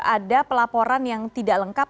ada pelaporan yang tidak lengkap